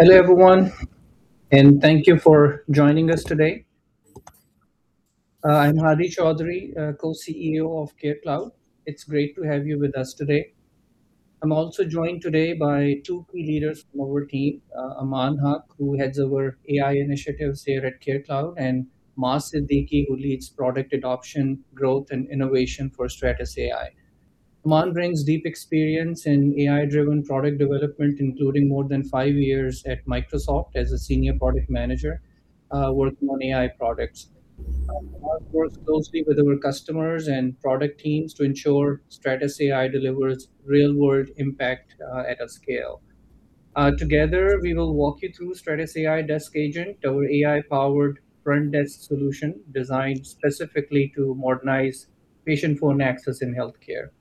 Hello, everyone, and thank you for joining us today. I'm Hadi Chaudhry, Co-CEO of CareCloud. It's great to have you with us today. I'm also joined today by two key leaders from our team: Aman Haq, who heads over AI initiatives here at CareCloud, and Maaz Siddiqui, who leads product adoption, growth, and innovation for Stratus AI. Aman brings deep experience in AI-driven product development, including more than five years at Microsoft as a Senior Product Manager working on AI products. He works closely with our customers and product teams to ensure Stratus AI delivers real-world impact at a scale. Together, we will walk you through Stratus AI Desk Agent, our AI-powered front desk solution designed specifically to modernize patient phone access in health care.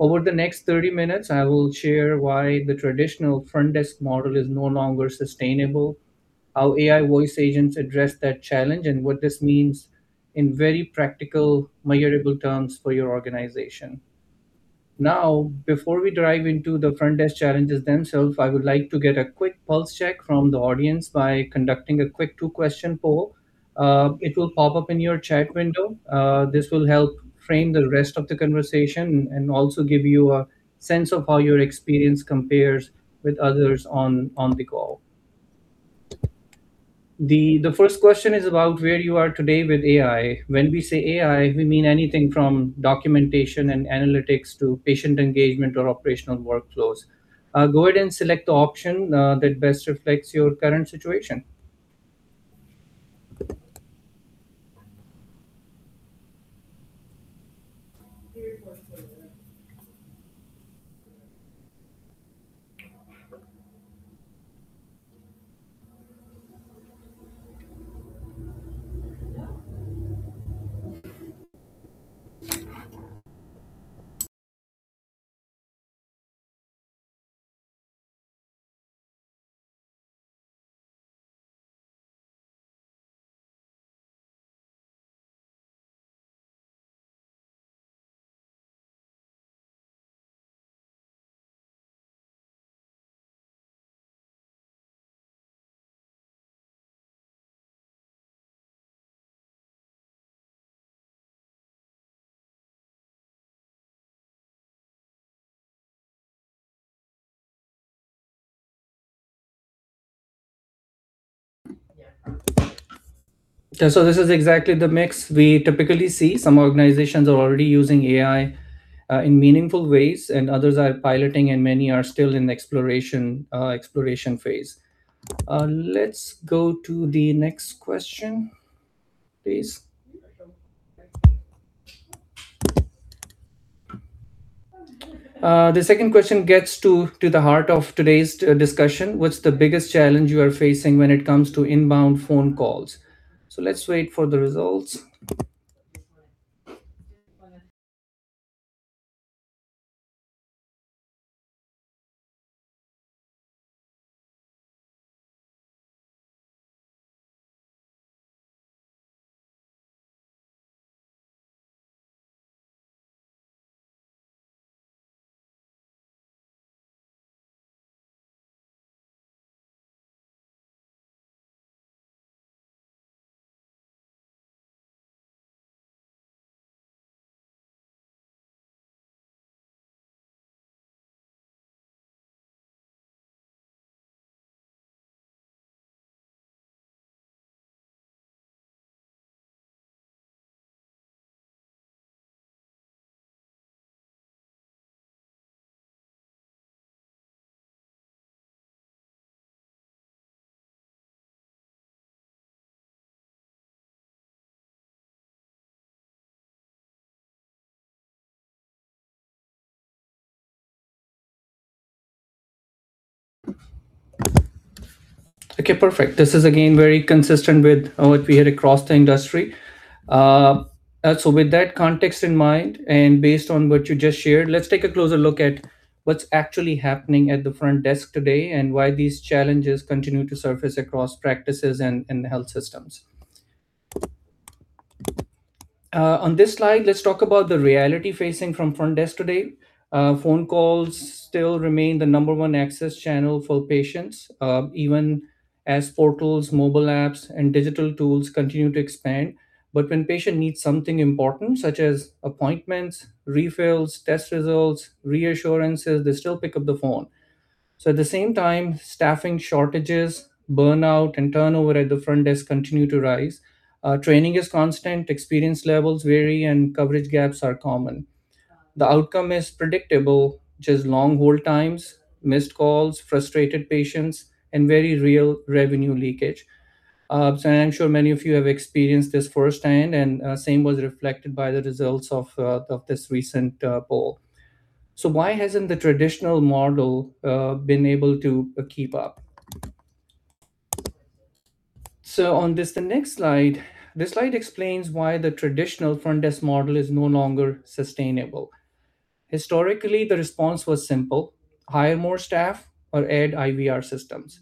Over the next 30 minutes, I will share why the traditional front desk model is no longer sustainable, how AI voice agents address that challenge, and what this means in very practical, measurable terms for your organization. Now, before we dive into the front desk challenges themselves, I would like to get a quick pulse check from the audience by conducting a quick two-question poll. It will pop up in your chat window. This will help frame the rest of the conversation and also give you a sense of how your experience compares with others on the call. The first question is about where you are today with AI. When we say AI, we mean anything from documentation and analytics to patient engagement or operational workflows. Go ahead and select the option that best reflects your current situation. So this is exactly the mix we typically see. Some organizations are already using AI in meaningful ways, and others are piloting, and many are still in the exploration phase. Let's go to the next question, please. The second question gets to the heart of today's discussion: what's the biggest challenge you are facing when it comes to inbound phone calls? So let's wait for the results. OK, perfect. This is, again, very consistent with what we hear across the industry. So with that context in mind and based on what you just shared, let's take a closer look at what's actually happening at the front desk today and why these challenges continue to surface across practices and health systems. On this slide, let's talk about the reality facing the front desk today. Phone calls still remain the number one access channel for patients, even as portals, mobile apps, and digital tools continue to expand. But when a patient needs something important, such as appointments, refills, test results, reassurances, they still pick up the phone. So at the same time, staffing shortages, burnout, and turnover at the front desk continue to rise. Training is constant. Experience levels vary, and coverage gaps are common. The outcome is predictable, just long hold times, missed calls, frustrated patients, and very real revenue leakage. And I'm sure many of you have experienced this firsthand, and the same was reflected by the results of this recent poll. So why hasn't the traditional model been able to keep up? So on this next slide, this slide explains why the traditional front desk model is no longer sustainable. Historically, the response was simple: hire more staff or add IVR systems.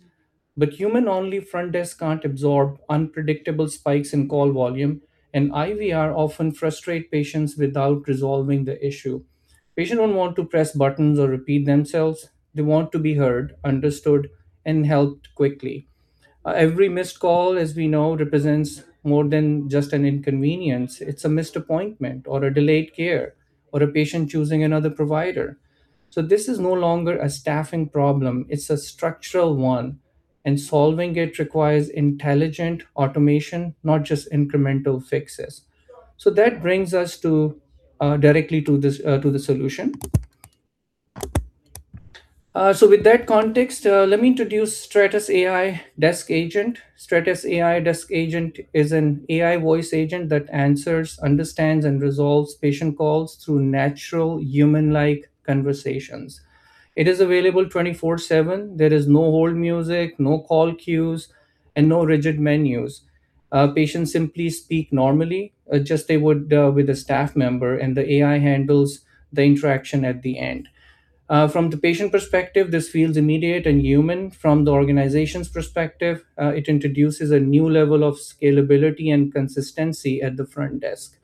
But human-only front desk can't absorb unpredictable spikes in call volume, and IVR often frustrates patients without resolving the issue. Patients don't want to press buttons or repeat themselves. They want to be heard, understood, and helped quickly. Every missed call, as we know, represents more than just an inconvenience. It's a missed appointment or a delayed care or a patient choosing another provider. So this is no longer a staffing problem. It's a structural one, and solving it requires intelligent automation, not just incremental fixes. So that brings us directly to the solution. So with that context, let me introduce Stratus AI Desk Agent. Stratus AI Desk Agent is an AI voice agent that answers, understands, and resolves patient calls through natural, human-like conversations. It is available 24/7. There is no hold music, no call queues, and no rigid menus. Patients simply speak normally, just they would with a staff member, and the AI handles the interaction at the end. From the patient perspective, this feels immediate and human. From the organization's perspective, it introduces a new level of scalability and consistency at the front desk.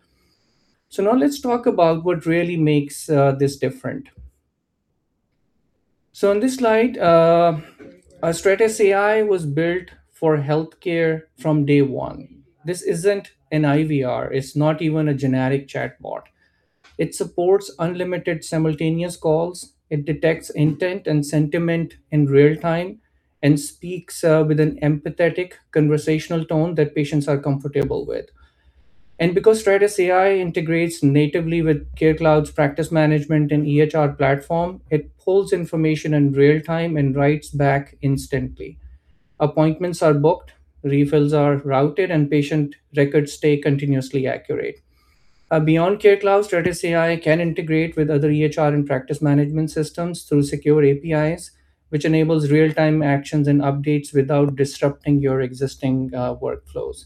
So now let's talk about what really makes this different. So on this slide, Stratus AI was built for health care from day one. This isn't an IVR. It's not even a generic chatbot. It supports unlimited simultaneous calls. It detects intent and sentiment in real time and speaks with an empathetic conversational tone that patients are comfortable with. And because Stratus AI integrates natively with CareCloud's practice management and EHR platform, it pulls information in real time and writes back instantly. Appointments are booked, refills are routed, and patient records stay continuously accurate. Beyond CareCloud, Stratus AI can integrate with other EHR and practice management systems through secure APIs, which enables real-time actions and updates without disrupting your existing workflows.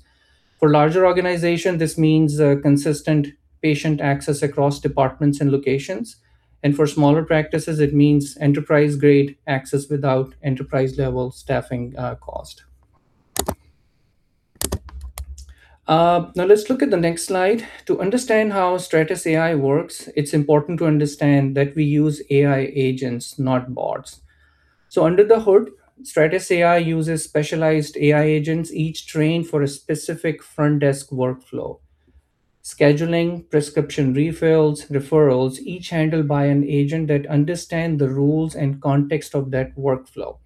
For larger organizations, this means consistent patient access across departments and locations. And for smaller practices, it means enterprise-grade access without enterprise-level staffing cost. Now let's look at the next slide. To understand how Stratus AI works, it's important to understand that we use AI agents, not bots. So under the hood, Stratus AI uses specialized AI agents, each trained for a specific front desk workflow: scheduling, prescription refills, referrals, each handled by an agent that understands the rules and context of that workflow.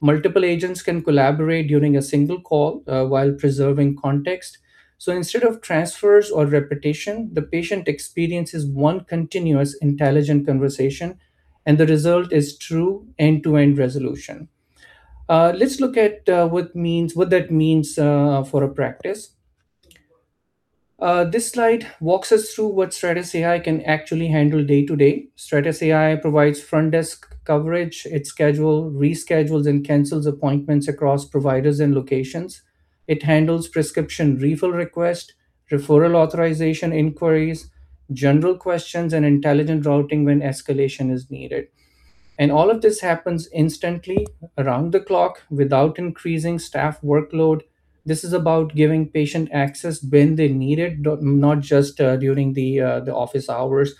Multiple agents can collaborate during a single call while preserving context. So instead of transfers or repetition, the patient experiences one continuous intelligent conversation, and the result is true end-to-end resolution. Let's look at what that means for a practice. This slide walks us through what Stratus AI can actually handle day to day. Stratus AI provides front desk coverage. It schedules, reschedules, and cancels appointments across providers and locations. It handles prescription refill requests, referral authorization inquiries, general questions, and intelligent routing when escalation is needed. And all of this happens instantly, around the clock, without increasing staff workload. This is about giving patient access when they need it, not just during the office hours.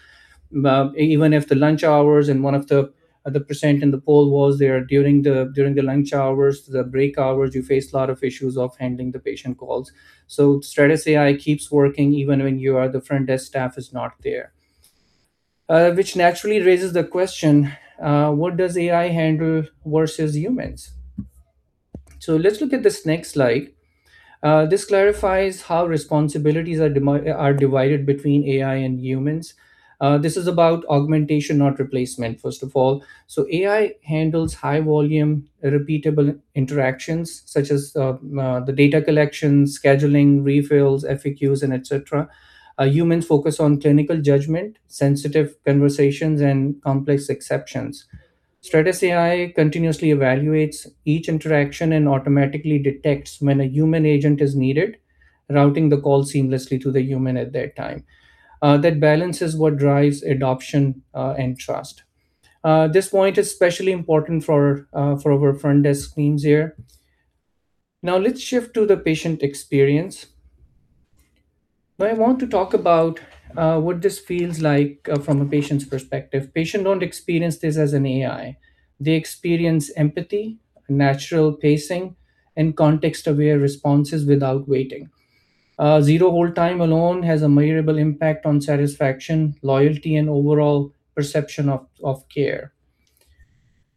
Even if the lunch hours in one of the percent in the poll was there during the lunch hours, the break hours, you face a lot of issues of handling the patient calls. So Stratus AI keeps working even when you are the front desk staff is not there, which naturally raises the question: what does AI handle versus humans? So let's look at this next slide. This clarifies how responsibilities are divided between AI and humans. This is about augmentation, not replacement, first of all. So AI handles high-volume, repeatable interactions, such as the data collection, scheduling, refills, FAQs, and et cetera. Humans focus on clinical judgment, sensitive conversations, and complex exceptions. Stratus AI continuously evaluates each interaction and automatically detects when a human agent is needed, routing the call seamlessly to the human at that time. That balances what drives adoption and trust. This point is especially important for our front desk teams here. Now let's shift to the patient experience. I want to talk about what this feels like from a patient's perspective. Patients don't experience this as an AI. They experience empathy, natural pacing, and context-aware responses without waiting. Zero hold time alone has a measurable impact on satisfaction, loyalty, and overall perception of care.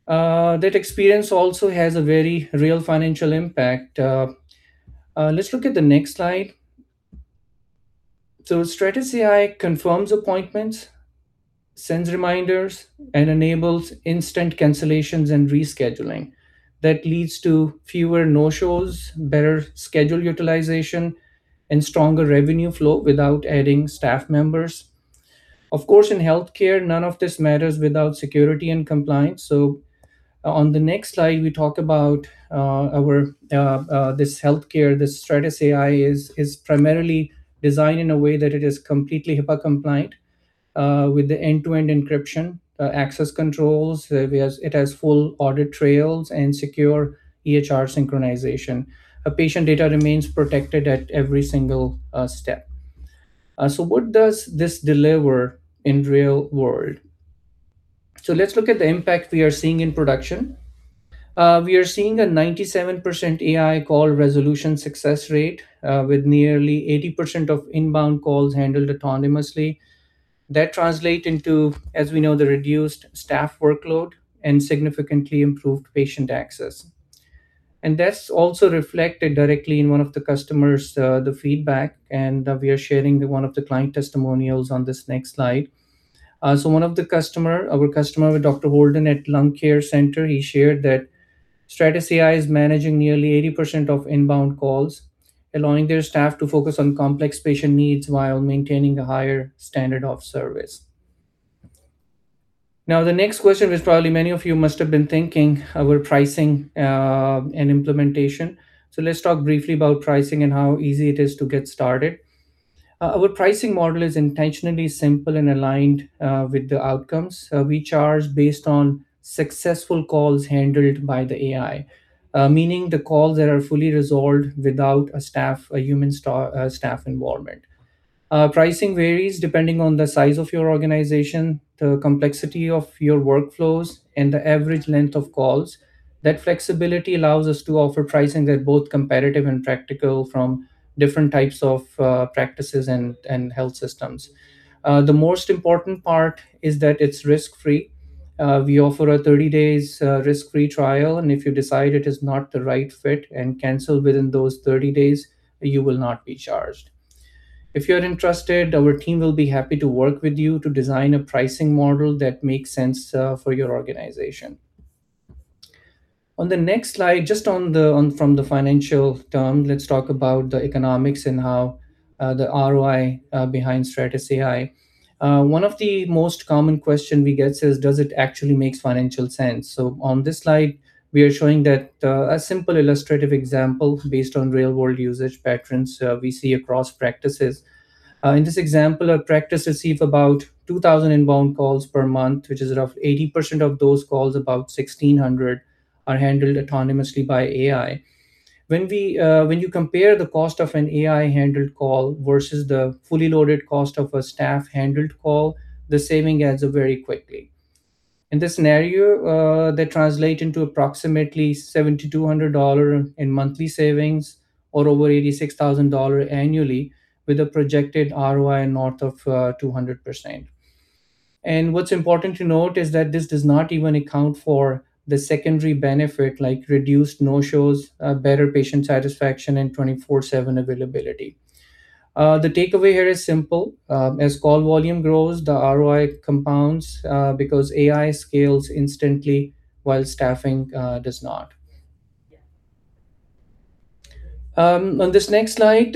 That experience also has a very real financial impact. Let's look at the next slide. So Stratus AI confirms appointments, sends reminders, and enables instant cancellations and rescheduling. That leads to fewer no-shows, better schedule utilization, and stronger revenue flow without adding staff members. Of course, in health care, none of this matters without security and compliance. So on the next slide, we talk about this health care. This Stratus AI is primarily designed in a way that it is completely HIPAA compliant with the end-to-end encryption, access controls. It has full audit trails and secure EHR synchronization. Patient data remains protected at every single step. So what does this deliver in the real world? So let's look at the impact we are seeing in production. We are seeing a 97% AI call resolution success rate, with nearly 80% of inbound calls handled autonomously. That translates into, as we know, the reduced staff workload and significantly improved patient access. And that's also reflected directly in one of the customers' feedback, and we are sharing one of the client testimonials on this next slide. So one of the customers, our customer with Dr. Holden at Lung Care Center, he shared that Stratus AI is managing nearly 80% of inbound calls, allowing their staff to focus on complex patient needs while maintaining a higher standard of service. Now, the next question, which probably many of you must have been thinking, our pricing and implementation. So let's talk briefly about pricing and how easy it is to get started. Our pricing model is intentionally simple and aligned with the outcomes. We charge based on successful calls handled by the AI, meaning the calls that are fully resolved without a staff, a human staff involvement. Pricing varies depending on the size of your organization, the complexity of your workflows, and the average length of calls. That flexibility allows us to offer pricing that's both competitive and practical from different types of practices and health systems. The most important part is that it's risk-free. We offer a 30-day risk-free trial, and if you decide it is not the right fit and cancel within those 30 days, you will not be charged. If you're interested, our team will be happy to work with you to design a pricing model that makes sense for your organization. On the next slide, just from the financial term, let's talk about the economics and the ROI behind Stratus AI. One of the most common questions we get is, does it actually make financial sense? So on this slide, we are showing a simple illustrative example based on real-world usage patterns we see across practices. In this example, our practices receive about 2,000 inbound calls per month, which is roughly 80% of those calls, about 1,600, are handled autonomously by AI. When you compare the cost of an AI-handled call versus the fully loaded cost of a staff-handled call, the saving adds up very quickly. In this scenario, that translates into approximately $7,200 in monthly savings or over $86,000 annually with a projected ROI north of 200%. And what's important to note is that this does not even account for the secondary benefit, like reduced no-shows, better patient satisfaction, and 24/7 availability. The takeaway here is simple. As call volume grows, the ROI compounds because AI scales instantly while staffing does not. On this next slide,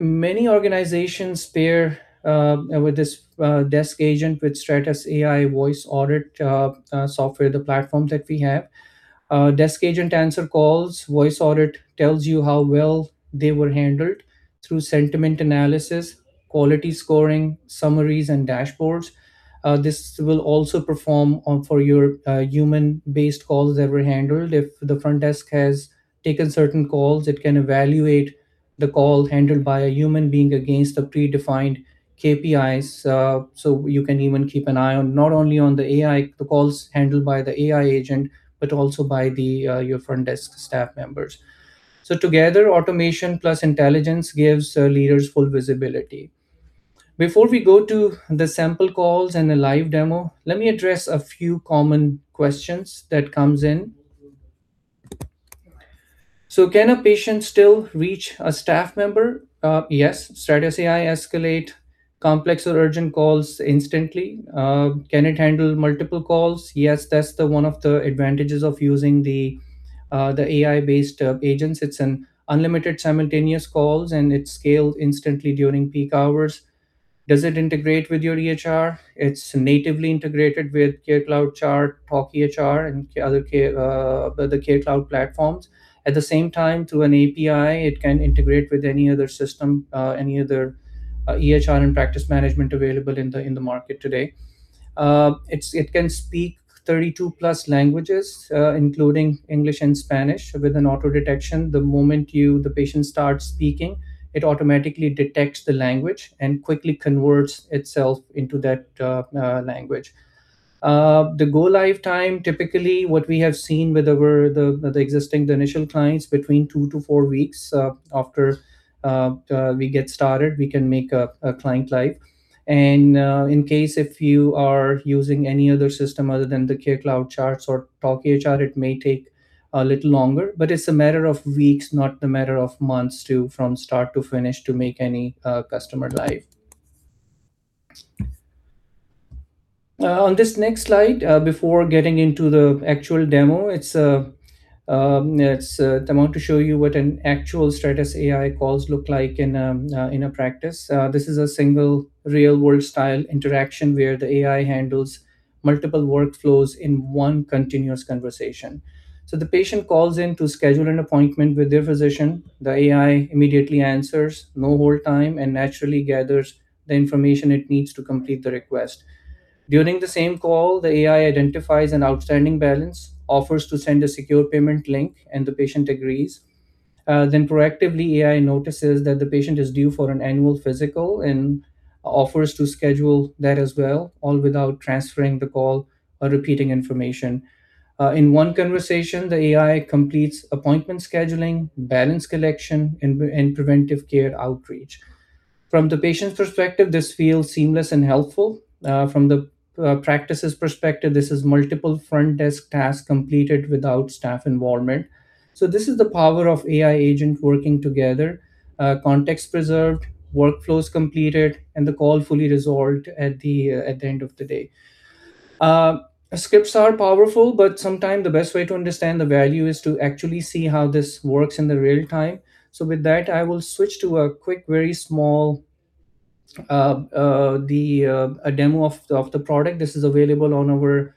many organizations pair with this desk agent with Stratus AI Voice Audit software, the platform that we have. Desk agent answers calls. Voice Audit tells you how well they were handled through sentiment analysis, quality scoring, summaries, and dashboards. This will also perform for your human-based calls that were handled. If the front desk has taken certain calls, it can evaluate the call handled by a human being against the predefined KPIs. So you can even keep an eye on not only the calls handled by the AI agent, but also by your front desk staff members. So together, automation plus intelligence gives leaders full visibility. Before we go to the sample calls and the live demo, let me address a few common questions that come in. So can a patient still reach a staff member? Yes. Stratus AI escalates complex or urgent calls instantly. Can it handle multiple calls? Yes. That's one of the advantages of using the AI-based agents. It's an unlimited simultaneous calls, and it scales instantly during peak hours. Does it integrate with your EHR? It's natively integrated with CareCloud Charts, talkEHR, and the CareCloud platforms. At the same time, through an API, it can integrate with any other system, any other EHR and practice management available in the market today. It can speak 32+ languages, including English and Spanish, with an auto-detection. The moment the patient starts speaking, it automatically detects the language and quickly converts itself into that language. The go-live time, typically, what we have seen with the existing initial clients, between two to four weeks after we get started, we can make a client live, and in case if you are using any other system other than the CareCloud Charts or talkEHR, it may take a little longer, but it's a matter of weeks, not a matter of months, from start to finish to make any customer live. On this next slide, before getting into the actual demo, I want to show you what an actual Stratus AI calls look like in a practice. This is a single real-world-style interaction where the AI handles multiple workflows in one continuous conversation. So the patient calls in to schedule an appointment with their physician. The AI immediately answers, no hold time, and naturally gathers the information it needs to complete the request. During the same call, the AI identifies an outstanding balance, offers to send a secure payment link, and the patient agrees. Then proactively, AI notices that the patient is due for an annual physical and offers to schedule that as well, all without transferring the call or repeating information. In one conversation, the AI completes appointment scheduling, balance collection, and preventive care outreach. From the patient's perspective, this feels seamless and helpful. From the practice's perspective, this is multiple front desk tasks completed without staff involvement. So this is the power of AI agents working together: context preserved, workflows completed, and the call fully resolved at the end of the day. Scripts are powerful, but sometimes the best way to understand the value is to actually see how this works in real time. So with that, I will switch to a quick, very small demo of the product. This is available on our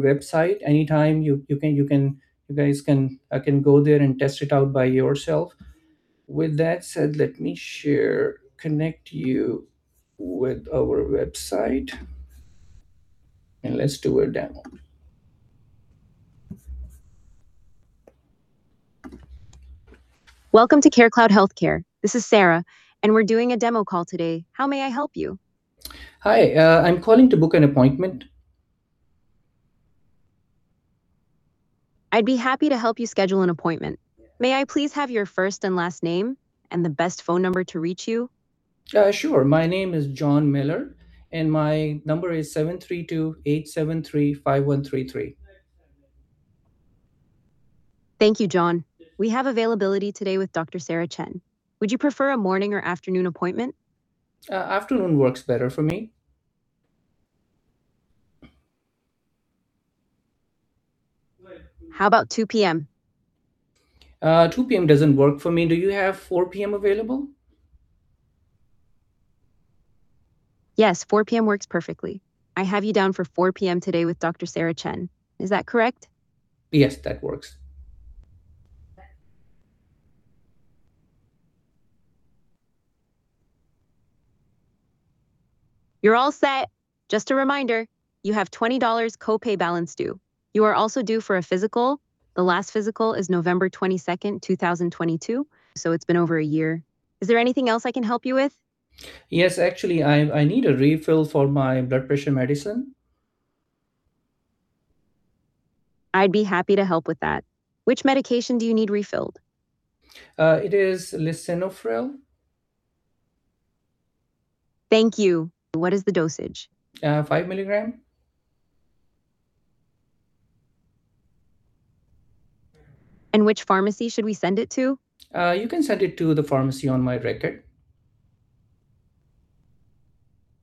website. Anytime, you guys can go there and test it out by yourself. With that said, let me connect you with our website, and let's do a demo. Welcome to CareCloud Healthcare. This is Sarah, and we're doing a demo call today. How may I help you? Hi. I'm calling to book an appointment. I'd be happy to help you schedule an appointment. May I please have your first and last name and the best phone number to reach you? Sure. My name is John Miller, and my number is 732-873-5133. Thank you, John. We have availability today with Dr. Sarah Chen. Would you prefer a morning or afternoon appointment? Afternoon works better for me. How about 2:00 P.M.? 2:00 P.M. doesn't work for me. Do you have 4:00 P.M. available? Yes, 4:00 P.M. works perfectly. I have you down for 4:00 P.M. today with Dr. Sarah Chen. Is that correct? Yes, that works. You're all set. Just a reminder, you have $20 copay balance due. You are also due for a physical. The last physical is November 22nd, 2022, so it's been over a year. Is there anything else I can help you with? Yes, actually, I need a refill for my blood pressure medicine. I'd be happy to help with that. Which medication do you need refilled? It is lisinopril. Thank you. What is the dosage? Five milligrams. And which pharmacy should we send it to? You can send it to the pharmacy on my record.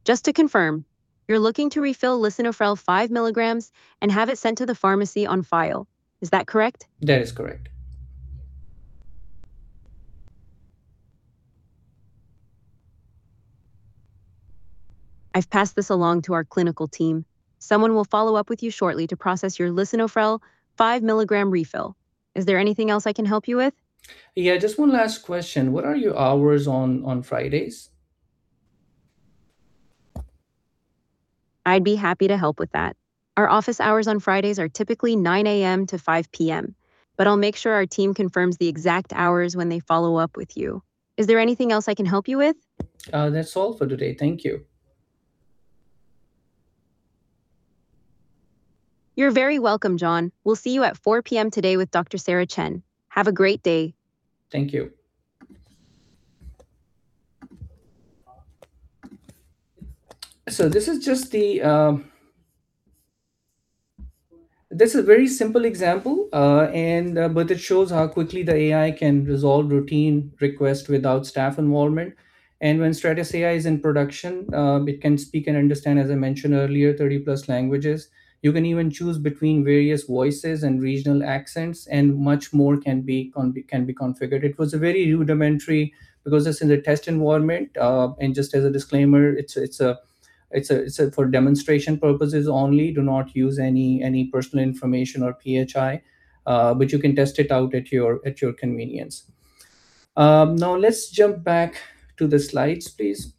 Just to confirm, you're looking to refill lisinopril five milligrams and have it sent to the pharmacy on file. Is that correct? That is correct. I've passed this along to our clinical team. Someone will follow up with you shortly to process your lisinopril five milligram refill. Is there anything else I can help you with? Yeah, just one last question. What are your hours on Fridays? I'd be happy to help with that. Our office hours on Fridays are typically 9:00 A.M. to 5:00 P.M., but I'll make sure our team confirms the exact hours when they follow up with you. Is there anything else I can help you with? That's all for today. Thank you. You're very welcome, John. We'll see you at 4:00 P.M. today with Dr. Sarah Chen. Have a great day. Thank you. So this is just a very simple example, but it shows how quickly the AI can resolve routine requests without staff involvement, and when Stratus AI is in production, it can speak and understand, as I mentioned earlier, 30+ languages. You can even choose between various voices and regional accents, and much more can be configured. It was very rudimentary because this is a test environment, and just as a disclaimer, it's for demonstration purposes only. Do not use any personal information or PHI, but you can test it out at your convenience. Now, let's jump back to the slides, please,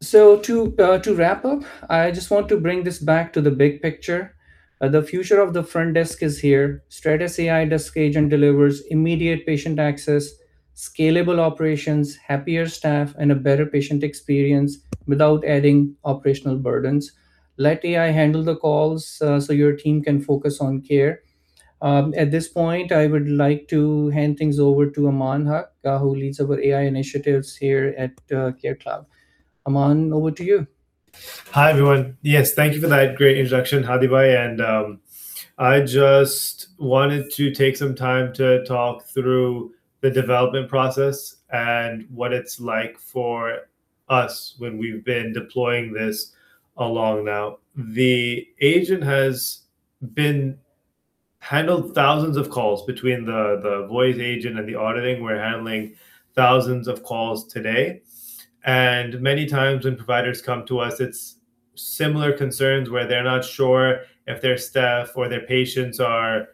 so to wrap up, I just want to bring this back to the big picture. The future of the front desk is here. Stratus AI Desk Agent delivers immediate patient access, scalable operations, happier staff, and a better patient experience without adding operational burdens. Let AI handle the calls so your team can focus on care. At this point, I would like to hand things over to Aman Haq, who leads our AI initiatives here at CareCloud. Aman, over to you. Hi, everyone. Yes, thank you for that great introduction, Hadi. I just wanted to take some time to talk through the development process and what it's like for us when we've been deploying this all along now. The agent has handled thousands of calls between the voice agent and the auditing. We're handling thousands of calls today. And many times when providers come to us, it's similar concerns where they're not sure if their staff or their patients are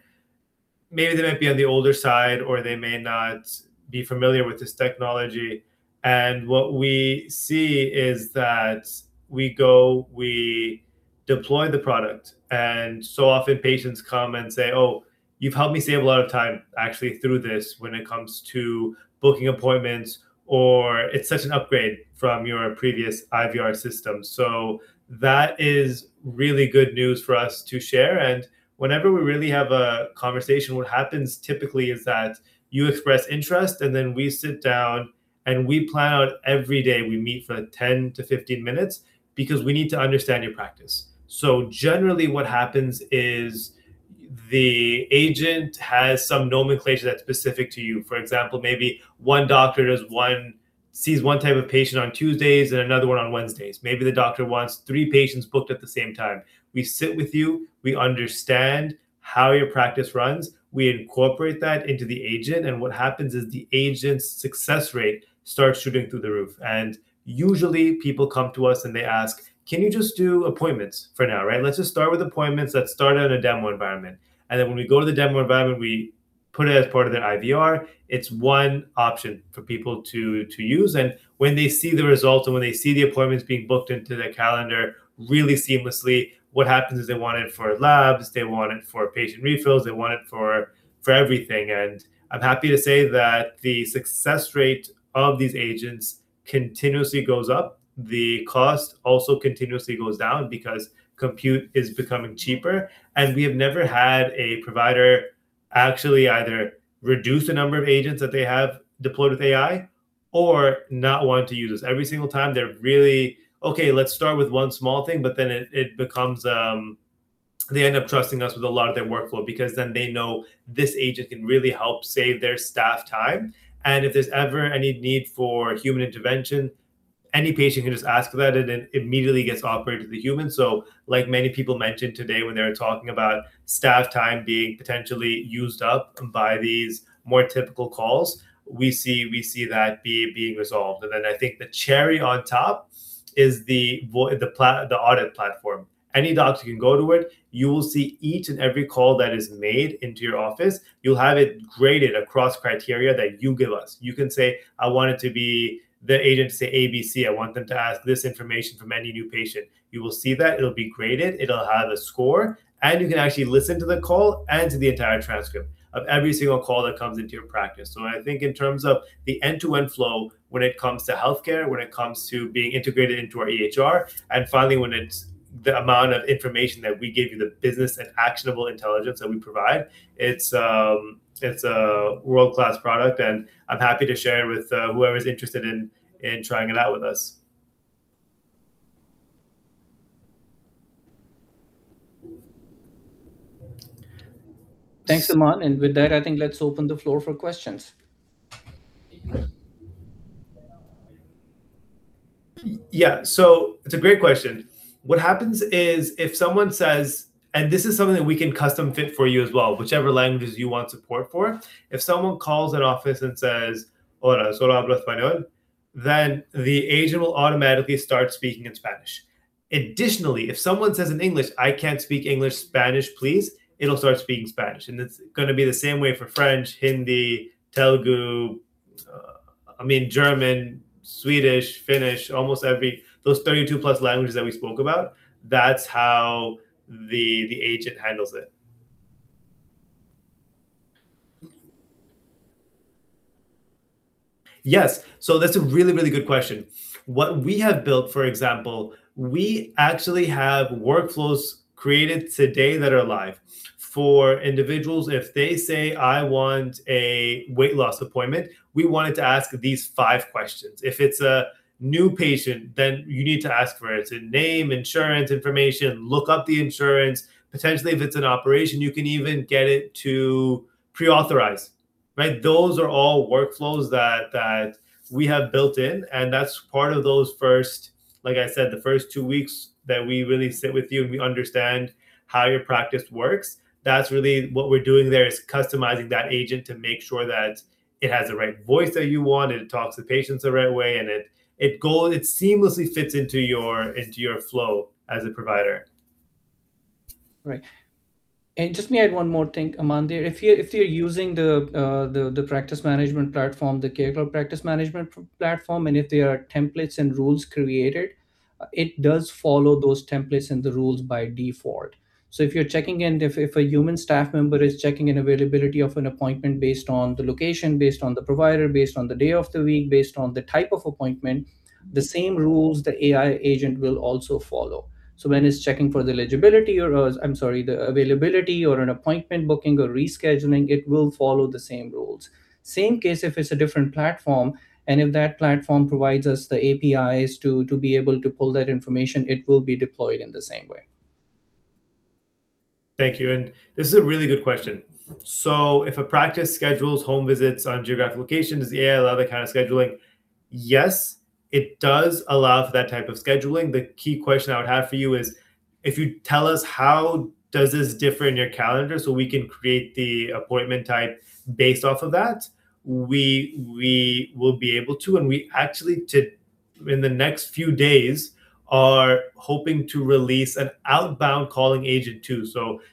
maybe they might be on the older side or they may not be familiar with this technology. And what we see is that we go, we deploy the product. And so often, patients come and say, "Oh, you've helped me save a lot of time, actually, through this when it comes to booking appointments," or, "It's such an upgrade from your previous IVR system." So that is really good news for us to share. And whenever we really have a conversation, what happens typically is that you express interest, and then we sit down and we plan out every day we meet for 10-15 minutes because we need to understand your practice. So generally, what happens is the agent has some nomenclature that's specific to you. For example, maybe one doctor sees one type of patient on Tuesdays and another one on Wednesdays. Maybe the doctor wants three patients booked at the same time. We sit with you. We understand how your practice runs. We incorporate that into the agent. And what happens is the agent's success rate starts shooting through the roof. And usually, people come to us and they ask, "Can you just do appointments for now?" Right? Let's just start with appointments. Let's start in a demo environment. And then when we go to the demo environment, we put it as part of their IVR. It's one option for people to use. And when they see the results and when they see the appointments being booked into their calendar really seamlessly, what happens is they want it for labs. They want it for patient refills. They want it for everything. I'm happy to say that the success rate of these agents continuously goes up. The cost also continuously goes down because compute is becoming cheaper. We have never had a provider actually either reduce the number of agents that they have deployed with AI or not want to use us. Every single time, they're really, "Okay, let's start with one small thing," but then it becomes they end up trusting us with a lot of their workflow because then they know this agent can really help save their staff time. If there's ever any need for human intervention, any patient can just ask that, and it immediately gets operated to the human. Like many people mentioned today when they were talking about staff time being potentially used up by these more typical calls, we see that being resolved. And then I think the cherry on top is the audit platform. Any doctor can go to it. You will see each and every call that is made into your office. You'll have it graded across criteria that you give us. You can say, "I want it to be the agent to say A, B, C. I want them to ask this information from any new patient." You will see that. It'll be graded. It'll have a score. And you can actually listen to the call and to the entire transcript of every single call that comes into your practice. So I think in terms of the end-to-end flow when it comes to healthcare, when it comes to being integrated into our EHR, and finally, when it's the amount of information that we give you, the business and actionable intelligence that we provide, it's a world-class product. And I'm happy to share it with whoever's interested in trying it out with us. Thanks, Aman. And with that, I think let's open the floor for questions. Yeah. So it's a great question. What happens is if someone says, and this is something that we can custom fit for you as well, whichever languages you want support for, if someone calls an office and says, "Hola, hablo español," then the agent will automatically start speaking in Spanish. Additionally, if someone says in English, "I can't speak English, Spanish, please," it'll start speaking Spanish. And it's going to be the same way for French, Hindi, Telugu, I mean, German, Swedish, Finnish, almost every those 32+ languages that we spoke about, that's how the agent handles it. Yes. So that's a really, really good question. What we have built, for example, we actually have workflows created today that are live for individuals. If they say, "I want a weight loss appointment," we want it to ask these five questions. If it's a new patient, then you need to ask for it. It's a name, insurance information, look up the insurance. Potentially, if it's an operation, you can even get it to pre-authorize. Right? Those are all workflows that we have built in. And that's part of those first, like I said, the first two weeks that we really sit with you and we understand how your practice works. That's really what we're doing there is customizing that agent to make sure that it has the right voice that you want, and it talks to patients the right way, and it seamlessly fits into your flow as a provider. Right. Just let me add one more thing, Aman. If they're using the practice management platform, the CareCloud practice management platform, and if there are templates and rules created, it does follow those templates and the rules by default. So if you're checking in, if a human staff member is checking in availability of an appointment based on the location, based on the provider, based on the day of the week, based on the type of appointment, the same rules the AI agent will also follow. So when it's checking for the eligibility or, I'm sorry, the availability or an appointment booking or rescheduling, it will follow the same rules. Same case if it's a different platform. And if that platform provides us the APIs to be able to pull that information, it will be deployed in the same way. Thank you. And this is a really good question. So if a practice schedules home visits on geographic locations, does the AI allow that kind of scheduling? Yes, it does allow for that type of scheduling. The key question I would have for you is, if you tell us how does this differ in your calendar so we can create the appointment type based off of that, we will be able to. And we actually, in the next few days, are hoping to release an outbound calling agent too.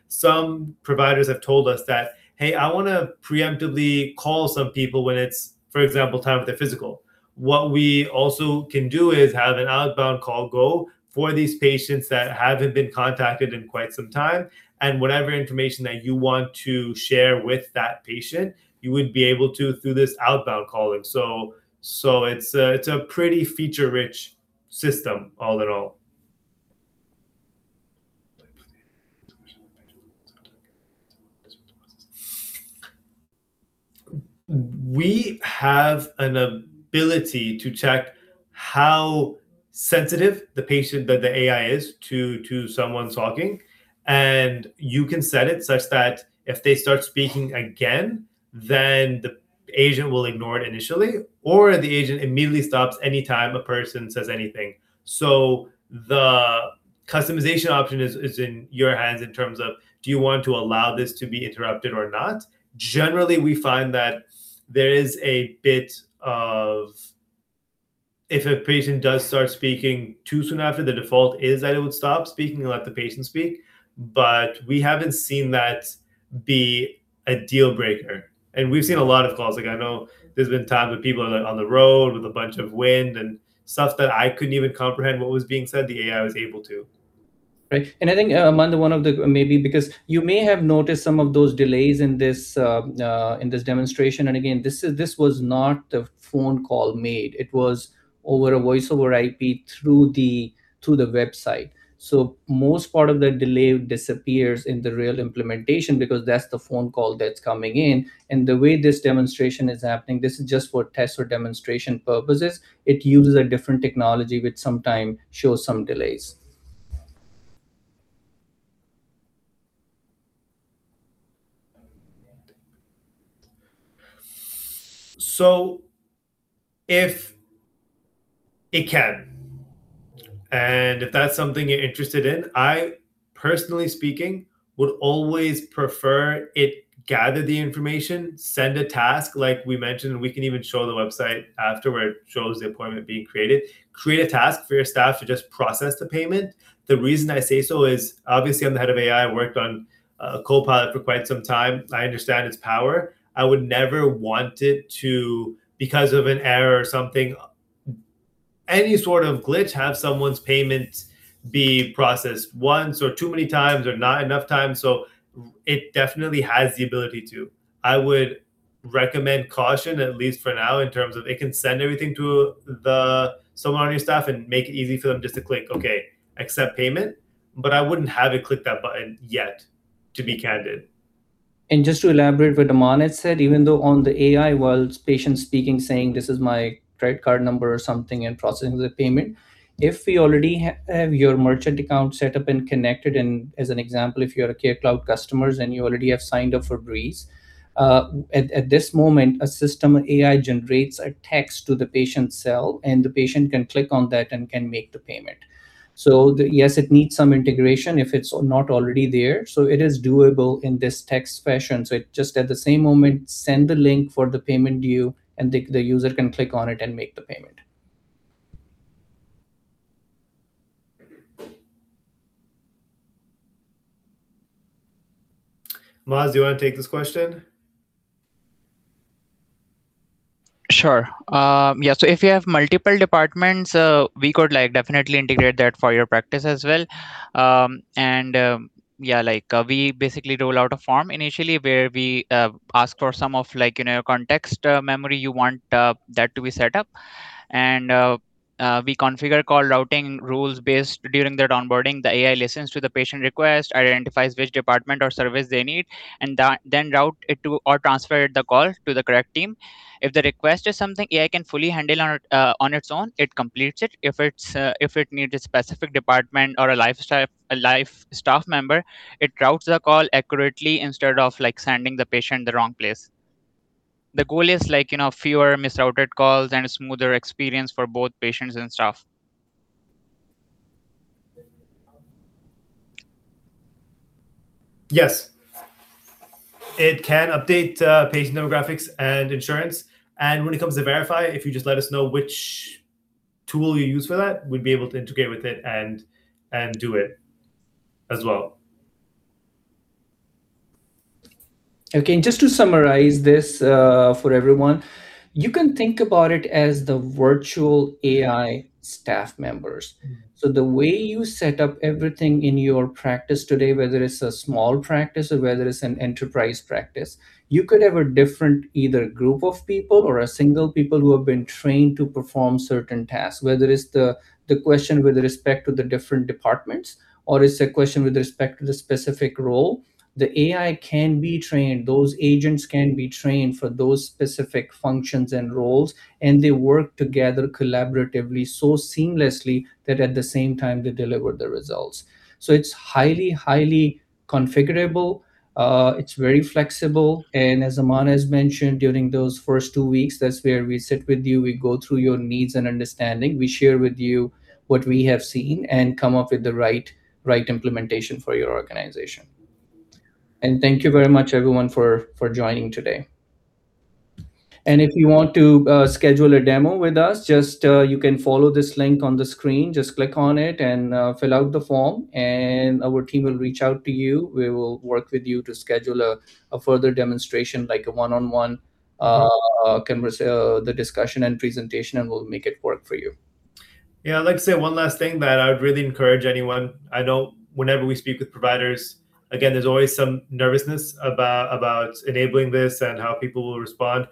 Some providers have told us that, "Hey, I want to preemptively call some people when it's, for example, time for their physical." What we also can do is have an outbound call go for these patients that haven't been contacted in quite some time. And whatever information that you want to share with that patient, you would be able to through this outbound calling. So it's a pretty feature-rich system all in all. We have an ability to check how sensitive the patient that the AI is to someone talking. And you can set it such that if they start speaking again, then the agent will ignore it initially, or the agent immediately stops anytime a person says anything. So the customization option is in your hands in terms of, do you want to allow this to be interrupted or not? Generally, we find that there is a bit of if a patient does start speaking too soon after, the default is that it would stop speaking and let the patient speak. But we haven't seen that be a deal breaker. And we've seen a lot of calls. I know there's been times when people are on the road with a bunch of wind and stuff that I couldn't even comprehend what was being said. The AI was able to. Right. And I think, Aman, one of the maybe because you may have noticed some of those delays in this demonstration. And again, this was not the phone call made. It was over a VoIP through the website. So most part of the delay disappears in the real implementation because that's the phone call that's coming in. And the way this demonstration is happening, this is just for test or demonstration purposes. It uses a different technology, which sometimes shows some delays. So if it can, and if that's something you're interested in, I personally speaking would always prefer it gather the information, send a task like we mentioned, and we can even show the website after where it shows the appointment being created, create a task for your staff to just process the payment. The reason I say so is obviously I'm the head of AI. I worked on Copilot for quite some time. I understand its power. I would never want it to, because of an error or something, any sort of glitch, have someone's payment be processed once or too many times or not enough time. So it definitely has the ability to. I would recommend caution, at least for now, in terms of it can send everything to someone on your staff and make it easy for them just to click, "Okay, accept payment." But I wouldn't have it click that button yet, to be candid. And just to elaborate what Aman had said, even though on the AI, while patients speaking, saying, "This is my credit card number or something," and processing the payment, if we already have your merchant account set up and connected, and as an example, if you're a CareCloud customer and you already have signed up for Breeze, at this moment, a system AI generates a text to the patient's cell, and the patient can click on that and can make the payment. So yes, it needs some integration if it's not already there. So it is doable in this text fashion. So it just at the same moment sends the link for the payment due, and the user can click on it and make the payment. Maaz, do you want to take this question? Sure. Yeah. So if you have multiple departments, we could definitely integrate that for your practice as well. And yeah, we basically roll out a form initially where we ask for some of your context memory you want that to be set up. And we configure call routing rules based during the onboarding. The AI listens to the patient request, identifies which department or service they need, and then route it to or transfer the call to the correct team. If the request is something AI can fully handle on its own, it completes it. If it needs a specific department or a live staff member, it routes the call accurately instead of sending the patient to the wrong place. The goal is fewer misrouted calls and a smoother experience for both patients and staff. Yes. It can update patient demographics and insurance. And when it comes to verification, if you just let us know which tool you use for that, we'd be able to integrate with it and do it as well. Okay. And just to summarize this for everyone, you can think about it as the virtual AI staff members. So the way you set up everything in your practice today, whether it's a small practice or whether it's an enterprise practice, you could have a different either group of people or a single people who have been trained to perform certain tasks, whether it's the question with respect to the different departments, or it's a question with respect to the specific role. The AI can be trained. Those agents can be trained for those specific functions and roles, and they work together collaboratively so seamlessly that at the same time, they deliver the results. So it's highly, highly configurable. It's very flexible. And as Aman has mentioned, during those first two weeks, that's where we sit with you. We go through your needs and understanding. We share with you what we have seen and come up with the right implementation for your organization. Thank you very much, everyone, for joining today. If you want to schedule a demo with us, just you can follow this link on the screen. Just click on it and fill out the form, and our team will reach out to you. We will work with you to schedule a further demonstration, like a one-on-one, the discussion and presentation, and we'll make it work for you. Yeah. I'd like to say one last thing that I would really encourage anyone. I know whenever we speak with providers, again, there's always some nervousness about enabling this and how people will respond.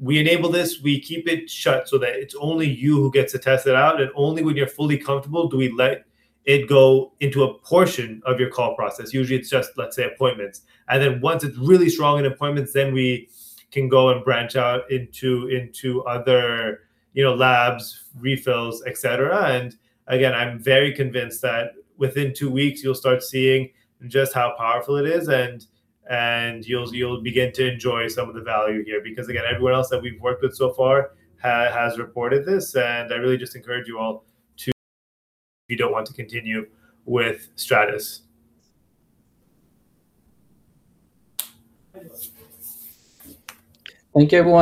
We enable this. We keep it shut so that it's only you who gets to test it out. Only when you're fully comfortable do we let it go into a portion of your call process. Usually, it's just, let's say, appointments. And then once it's really strong in appointments, then we can go and branch out into other labs, refills, etc. And again, I'm very convinced that within two weeks, you'll start seeing just how powerful it is, and you'll begin to enjoy some of the value here because, again, everyone else that we've worked with so far has reported this. And I really just encourage you all to. You don't want to continue with Stratus. Thank you, Aman.